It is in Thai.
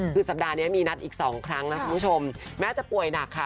คือสัปดาห์นี้มีนัดอีก๒ครั้งนะคุณผู้ชมแม้จะป่วยหนักค่ะ